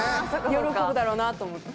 喜ぶだろうなと思って。